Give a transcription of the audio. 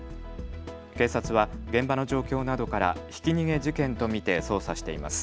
警察は現場の状況などからひき逃げ事件と見て捜査しています。